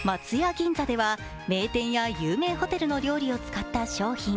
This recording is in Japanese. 銀座では名店や有名ホテルの料理を使った商品。